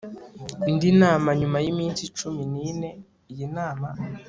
indi nama nyuma y iminsi cumi n ine Iyi nama